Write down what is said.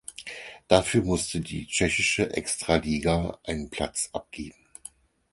Dafür musste die tschechische Extraliga einen Platz abgeben.